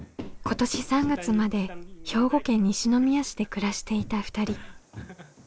今年３月まで兵庫県西宮市で暮らしていた２人。